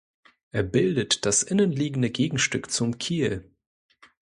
Er bildet das innenliegende Gegenstück zum Kiel.